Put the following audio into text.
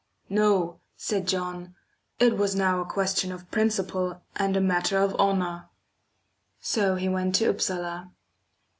"No," said John, "it was now a question of principle and a matter of honour." So he went to Upsala.